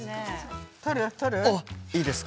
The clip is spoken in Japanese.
◆いいですか。